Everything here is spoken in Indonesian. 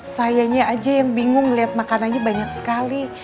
sayangnya aja yang bingung liat makanannya banyak sekali